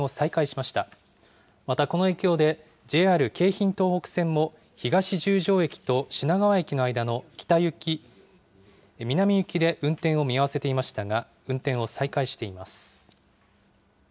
またこの影響で、ＪＲ京浜東北線も東十条駅と品川駅の間の北行き、南行きで運転を見合わせていましたが、運転を再開しています。